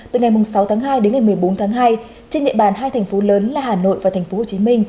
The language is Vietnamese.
từ ngày sáu tháng hai đến ngày một mươi bốn tháng hai trên địa bàn hai thành phố lớn là hà nội và tp hcm